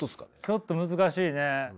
ちょっと難しいね。